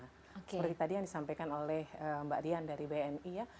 seperti tadi yang disampaikan oleh mbak dian dari bni ya